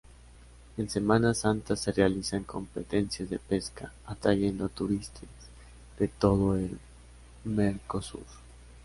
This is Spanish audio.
En Semana Santa se realizan competencias de pesca, atrayendo turistas de todo el Mercosur.